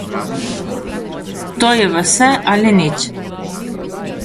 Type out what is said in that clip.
To je vse ali nič.